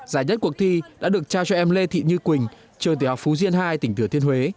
giải nhất cuộc thi đã được trao cho em lê thị như quỳnh trường tiểu học phú diên ii tp hcm